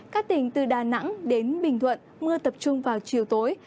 các tỉnh từ đà nẵng đến bình thuận mưa tập trung vào chiều tối